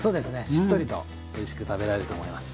しっとりとおいしく食べられると思います。